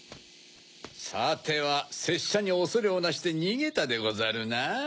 さてはせっしゃにおそれをなしてにげたでござるな。